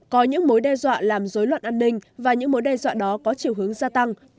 có những mối đe dọa làm dối loạn an ninh và những mối đe dọa đó có chiều hướng gia tăng